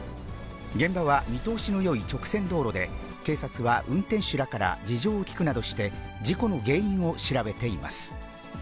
現場は見通しのよい直線道路で、警察は運転手らから事情を聴くなどして事故の原因を調べています。